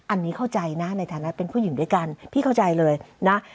อันนี้เข้าใจนะในฐานะเป็นผู้หญิงด้วยกันพี่เข้าใจเลยนะ